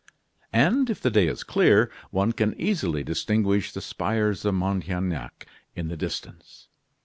And, if the day is clear, one can easily distinguish the spires of Montaignac in the distance.